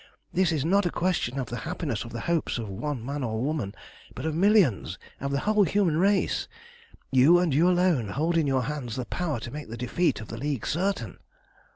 This is not a question of the happiness or the hopes of one man or woman, but of millions, of the whole human race. You, and you alone, hold in your hands the power to make the defeat of the League certain."